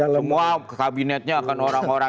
semua kabinetnya akan orang orang